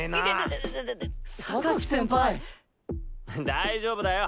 大丈夫だよ。